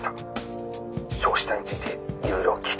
「焼死体についていろいろ聞いてきました」